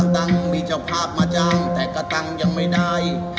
ตังค์มีเจ้าภาพมาจ้างแต่กระตังค์ยังไม่ได้